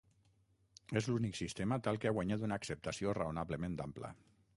És l'únic sistema tal que ha guanyat una acceptació raonablement ampla.